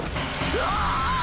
うわ！